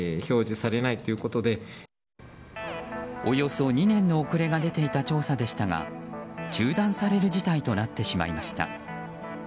およそ２年の遅れが出ていた調査でしたが中断される事態となってしまいました。